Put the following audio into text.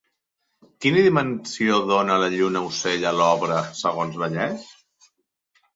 Quina dimensió dona la lluna-ocell a l'obra segons Vallès?